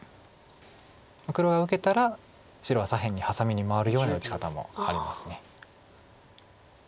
黒が受けたら白は左辺にハサミに回るような打ち方もあります。